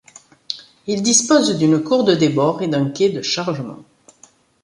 Il dispose d'une cour de débord et d'un quai de chargement.